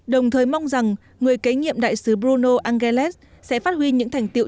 đồng thời mong rằng người kế nhiệm đại sứ bruno angeles sẽ phát huy những thành tiệu